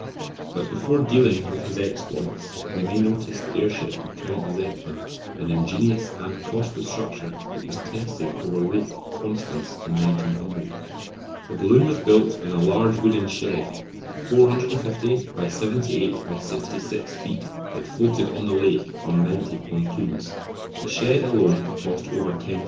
But before dealing with his exploits we may notice the airship of Count Zeppelin, an ingenious and costly structure that was tested over Lake Constance in 1900. The balloon was built in a large wooden shed, 450 by 78 by 66 feet, that floated on the lake on ninety pontoons. The shed alone cost over £10,000.